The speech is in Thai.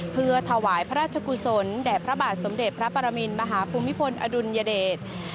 เพื่อถวายพระราชกุศลแด่พระบาทสมเด็จพระปรมินมหาภูมิพลอดุลยเดช